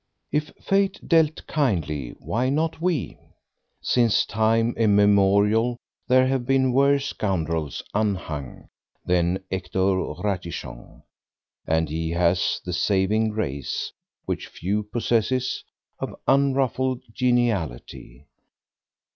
If Fate dealt kindly, why not we? Since time immemorial there have been worse scoundrels unhung than Hector Ratichon, and he has the saving grace— which few possess—of unruffled geniality.